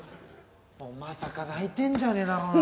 おいまさか泣いてんじゃねえだろうな？